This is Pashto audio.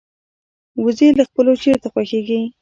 وزې له خپلو چرته خوښيږي